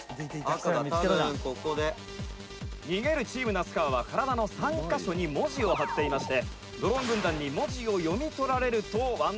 清水：「逃げるチーム那須川は体の３カ所に文字を貼っていましてドローン軍団に、文字を読み取られるとワンアウト」